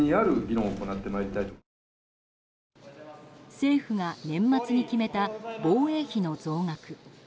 政府が年末に決めた防衛費の増額。